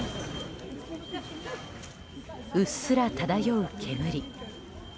うっすら漂う煙。